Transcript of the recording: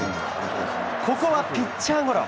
ここはピッチャーゴロ。